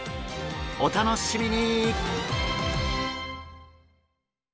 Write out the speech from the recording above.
お楽しみに！